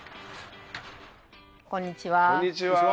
こんにちは。